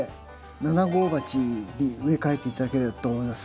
７号鉢に植え替えて頂ければと思います。